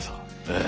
ええ。